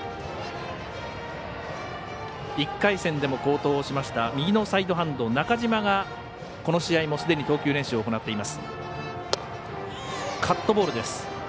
１回戦でも好投しました右のサイドハンド、中嶋がこの試合もすでに投球練習を行っています。